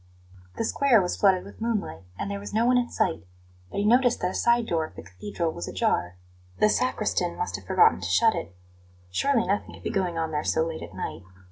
The square was flooded with moonlight, and there was no one in sight; but he noticed that a side door of the Cathedral was ajar. The sacristan must have forgotten to shut it. Surely nothing could be going on there so late at night.